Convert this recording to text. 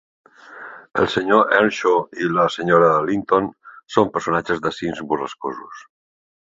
El Sr. Earnshaw i la Sra. Linton són personatges de "Cims Borrascosos".